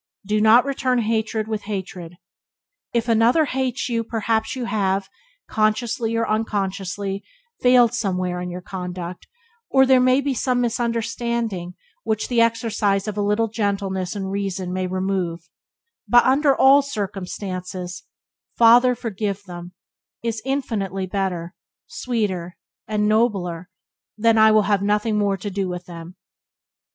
Do not return hatred with hatred. If another hates you perhaps you have, consciously or unconsciously, failed somewhere in your conduct, or there may be some misunderstanding which the exercise of a little gentleness and reason may remove; but, under all circumstances, "Father, forgive them" is infinitely better, sweeter, and nobler than "I will have nothing more to do with them."